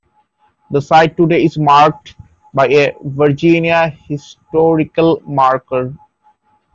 The site today is marked by a Virginia Historical Marker.